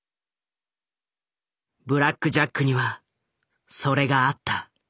「ブラック・ジャック」にはそれがあった。